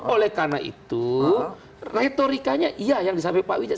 oleh karena itu retorikanya iya yang disampaikan pak wijaya